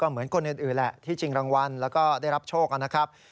เหมือนคนอื่นแหละที่ชิงรางวัลแล้วก็ได้รับโชคนะครับ